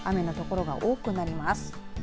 雨の所が多くなります。